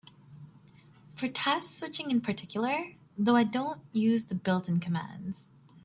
For task switching in particular, though, I don't use the built-in commands.